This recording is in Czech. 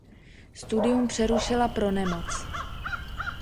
Studium přerušila pro nemoc.